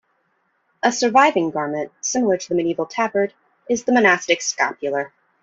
A surviving garment similar to the medieval tabard is the monastic scapular.